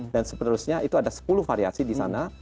dan seterusnya itu ada sepuluh variasi di sana